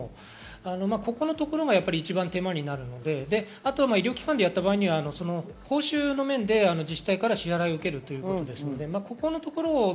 ここのところが一番手間になるので、医療機関でやった場合は報酬の面で自治体から支払いを受けるということです。